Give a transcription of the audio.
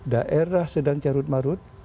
daerah sedang carut marut